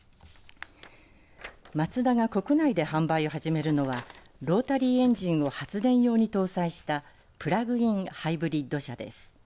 マツダが国内で販売を始めるのはロータリーエンジンを発電用に搭載したプラグインハイブリッド車です。